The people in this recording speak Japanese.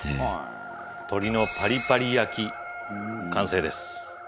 鶏のパリパリ焼き完成です。